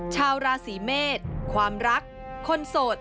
ชาวราศีเมษความรักคนโสด